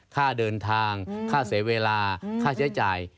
ค่าเดินทางค่าเสียเวลาค่าใช้จ่าย